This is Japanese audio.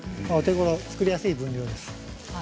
お手ごろで造りやすい分量です。